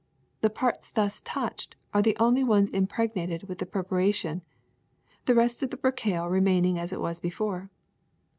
The parts thus touched are the only ones impregnated with this preparation, the rest of the percale remaining as it was before.